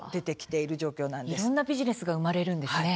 いろんなビジネスが生まれるわけですね。